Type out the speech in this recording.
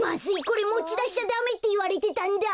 これもちだしちゃダメっていわれてたんだ。